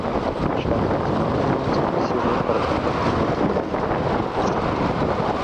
Share on Ovi era un servicio web para compartir multimedia.